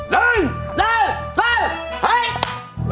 แล้วได้โลคมาสซากครับ